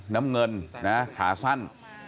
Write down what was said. น้ำเงินนะขาสั้น